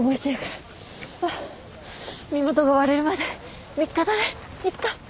ハァ身元が割れるまで３日だね３日。